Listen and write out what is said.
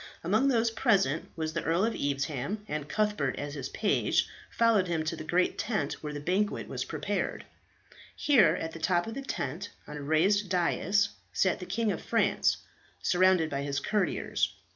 Among those present was the Earl of Evesham, and Cuthbert as his page followed him to the great tent where the banquet was prepared. Here, at the top of the tent, on a raised dais, sat the King of France, surrounded by his courtiers.